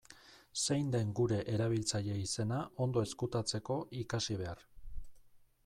Zein den gure erabiltzaile-izena ondo ezkutatzeko, ikasi behar.